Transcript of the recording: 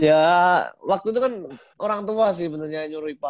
ya waktu itu kan orang tua sih yang nyuruh ipa